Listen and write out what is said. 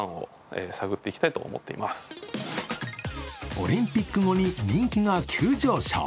オリンピック後に人気が急上昇。